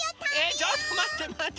ちょっとまってまって。